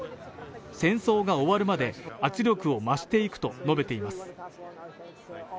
戦争が終わるまで圧力を増していくと述べています。